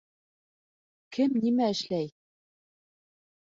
Кем нимә эшләй?